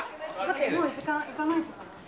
もう時間行かないとじゃない？